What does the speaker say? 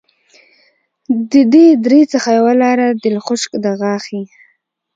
د دې درې څخه یوه لاره دلخشک دغاښي